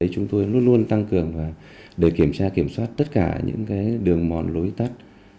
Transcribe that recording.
chúng tôi luôn luôn tăng cường để kiểm tra kiểm soát tất cả những đường mòn lối tắt